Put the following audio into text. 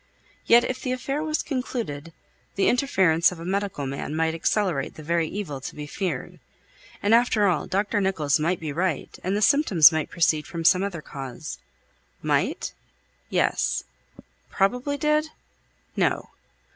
Yet if the affair was concluded, the interference of a medical man might accelerate the very evil to be feared; and after all, Dr. Nicholls might be right, and the symptoms might proceed from some other cause. Might? Yes. Probably did? No.